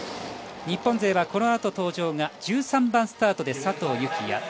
日本勢はこの後登場が１３番スタートで佐藤幸椰